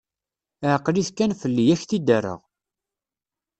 Ɛkel-it kan fell-i, ad k-t-id-rreɣ.